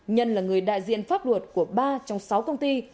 nhân là người đại diện pháp luật của ba trong sáu công ty